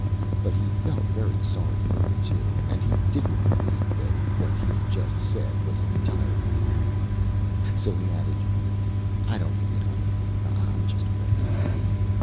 But he felt very sorry for her, too; and he didn't believe that what he had just said was entirely the truth. So he added: "I don't mean it, Honey. I'm just griping."